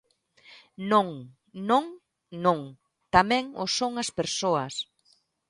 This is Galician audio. Non, non, non: tamén o son as persoas.